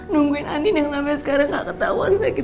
nungguin andien yang sampai sekarang nggak ketahuan sakitnya apa